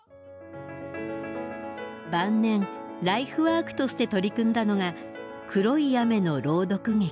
晩年ライフワークとして取り組んだのが「黒い雨」の朗読劇。